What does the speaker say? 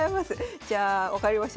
じゃあ分かりました。